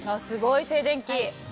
すごい静電気。